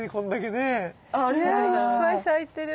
ねいっぱい咲いてる。